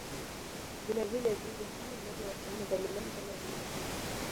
Vilevile viumbe hai ndege wa aina mbalimbali kama vile mbuni